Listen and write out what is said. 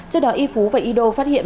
trước đó y phú và ydo phát hiện